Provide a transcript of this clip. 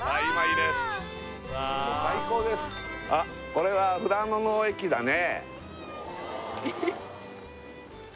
これは富良野の駅だね